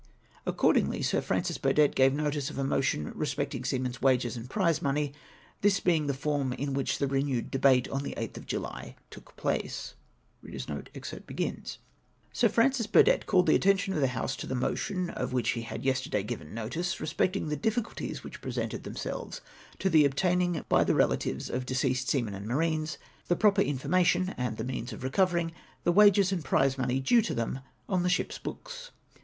Accordingly, Sir Francis Burdett gave notice of a motion respecting seamen's wages and prize mone}^, this being the form in wliicli the renewed debate, on the 8th of July, took place. " Sir Francis Burdett called tlie attention of the House to the motion, of which he had yesterday given notice, respecting the difficulties which presented themselves to the obtaining by the relatives of deceased seamen and marines the proper information and the means of reco vering the wages and prize money due to them on the ships' books.